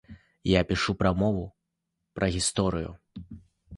Я пішу пра мову, пра гісторыю.